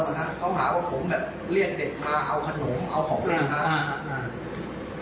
ว่าผมเรียนเด็กมาเอาขนมเอาของเล่นครับ